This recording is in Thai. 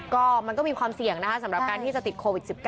ก็มันก็มีความเสี่ยงนะคะสำหรับการที่จะติดโควิด๑๙